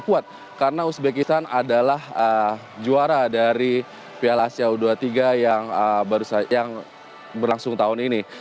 piala asia u dua puluh tiga yang berlangsung tahun ini